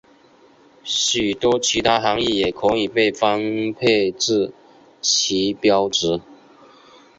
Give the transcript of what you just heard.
许多其他含意也可以被分配至旗标值。